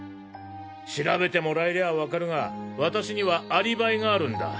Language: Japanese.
調べてもらえりゃわかるが私にはアリバイがあるんだ。